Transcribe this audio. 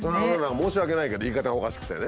申し訳ないけど言い方がおかしくてね。